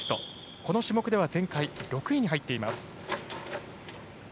この種目では前回６位に入っています。